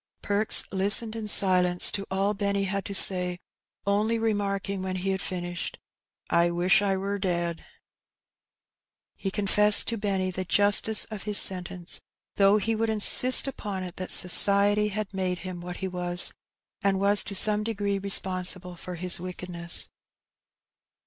Perks listened in silence to all Benny had to say, only remarking when he had finished, " I wish I wur dead/' He confessed to Benny the justice of his sentence, though he would, insist upon it that society had made him what he was, and was to some degree responsible for his wickedness.